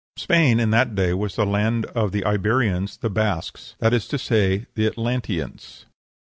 Spain in that day was the land of the Iberians, the Basques; that is to say, the Atlanteans.